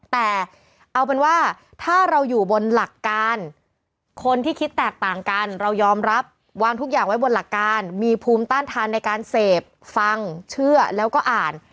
แต่เอาเป็นว่าถ้าเราอยู่บนหลักการคนที่คิดแตกต่างกันเรายอมรับวางทุกอย่างไว้บนหลักการมีภูมิต้านทานในการเสพฟังเชื่อแล้วก็อ่าน